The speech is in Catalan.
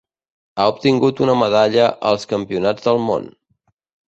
Ha obtingut una medalla als Campionats del món.